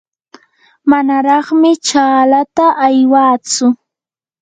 manaraqmi chaalata aywatsu.